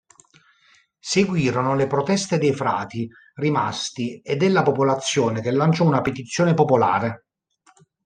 Seguirono le proteste dei frati rimasti e della popolazione che lanciò una petizione popolare.